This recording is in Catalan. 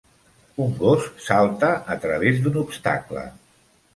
Un gos salta a través d'un obstacle.